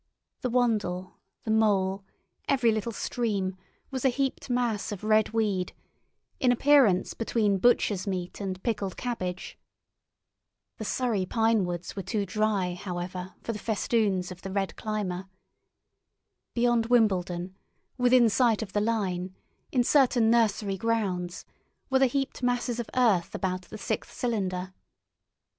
The Wandle, the Mole, every little stream, was a heaped mass of red weed, in appearance between butcher's meat and pickled cabbage. The Surrey pine woods were too dry, however, for the festoons of the red climber. Beyond Wimbledon, within sight of the line, in certain nursery grounds, were the heaped masses of earth about the sixth cylinder.